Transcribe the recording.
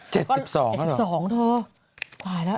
เจ็บสองเถอะ